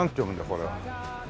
これは。